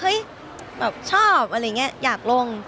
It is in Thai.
เฮ้ยชอบอยากลง